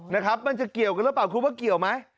นะครับมันจะเกี่ยวกันหรือเปล่าคุณว่าเกี่ยวไหม